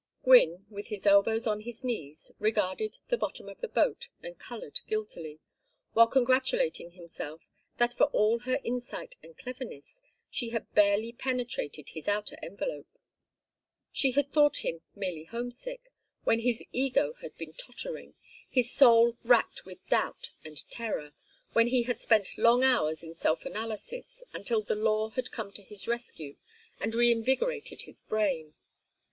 Gwynne, with his elbows on his knees, regarded the bottom of the boat and colored guiltily, while congratulating himself that for all her insight and cleverness she had barely penetrated his outer envelope. She had thought him merely homesick, when his ego had been tottering, his soul racked with doubt and terror; when he had spent long hours in self analysis; until the law had come to his rescue and reinvigorated his brain.